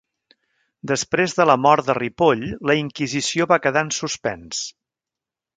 Després de la mort de Ripoll la Inquisició va quedar en suspens.